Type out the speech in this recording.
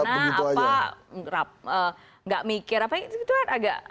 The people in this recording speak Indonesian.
atau begitu saja